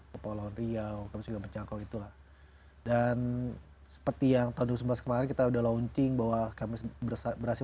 kepala lohon riau dan seperti yang tahun dua ribu sembilan belas kemarin kita udah launching bahwa kami berhasil